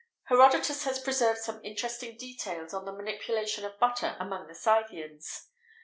[XVIII 32] Herodotus has preserved some interesting details on the manipulation of butter among the Scythians.